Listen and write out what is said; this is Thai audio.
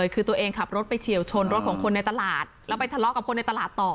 คือตัวเองขับรถไปเฉียวชนรถของคนในตลาดแล้วไปทะเลาะกับคนในตลาดต่อ